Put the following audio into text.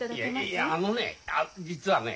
いやあのね実はね。